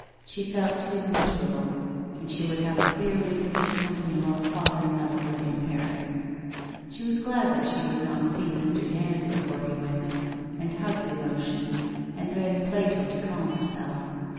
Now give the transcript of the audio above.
She felt too miserable, and she would have a clear week of its company while the father and mother were in Paris. She was glad that she would not see Mr. Dand before he went, and hugged the notion, and read ' Plato ' to calm herself.